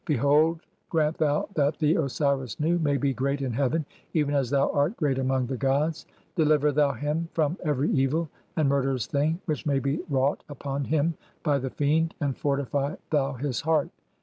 Behold, '(9) grant thou that the Osiris Nu may be great in heaven even 'as thou art great among the gods ; deliver thou him from every 'evil and murderous thing which may be wrought (10) upon 'him by the Fiend, and fortify thou his heart.